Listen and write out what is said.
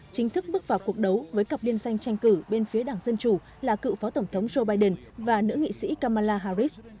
chính thức bước vào cuộc đấu với cặp biên danh tranh cử bên phía đảng dân chủ là cựu phó tổng thống joe biden và nữ nghị sĩ kamala harris